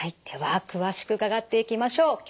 では詳しく伺っていきましょう。